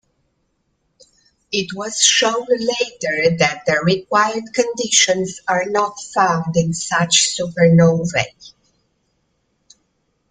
It was shown later that the required conditions are not found in such supernovae.